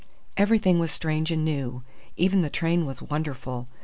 Everything was strange and new. Even the train was wonderful.